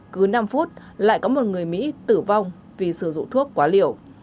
cứ năm phút lại có một người mỹ tử vong vì sử dụng thuốc quá liều